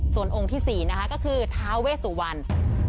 ส่วนองค์ที่๔นะคะก็คือท้าเวสุวรรณ